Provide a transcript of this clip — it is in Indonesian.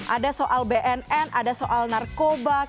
ada soal bnn ada soal narkoba